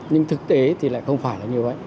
nhưng thực tế thì lại không phải là như vậy